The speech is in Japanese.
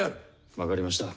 分かりました。